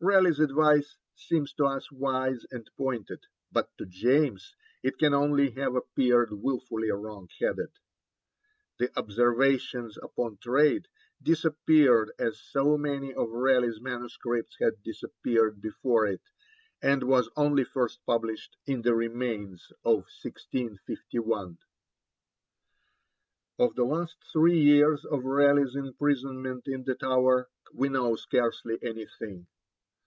Raleigh's advice seems to us wise and pointed, but to James it can only have appeared wilfully wrong headed. The Observations upon Trade disappeared as so many of Raleigh's manuscripts had disappeared before it, and was only first published in the Remains of 1651. Of the last three years of Raleigh's imprisonment in the Tower we know scarcely anything.